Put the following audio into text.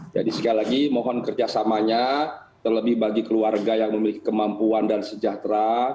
jadi sekali lagi mohon kerjasamanya terlebih bagi keluarga yang memiliki kemampuan dan sejahtera